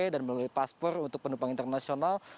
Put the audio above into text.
melalui paspor untuk penumpang internasional